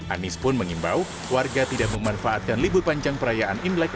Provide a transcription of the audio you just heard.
anies pun mengimbau warga tidak memanfaatkan libur panjang perayaan imlek